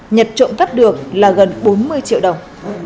nhật trộm cắp được là gần bốn mươi triệu đồng